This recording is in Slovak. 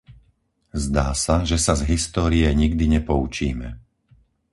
Zdá sa, že sa z histórie nikdy nepoučíme.